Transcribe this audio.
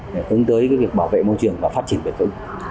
để hướng tới việc bảo vệ môi trường và phát triển bền vững